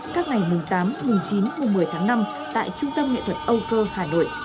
các ngày tám chín một mươi tháng năm tại trung tâm nghệ thuật âu cơ hà nội